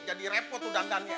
jadi repot lo datangnya